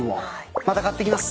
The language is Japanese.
また買っていきます。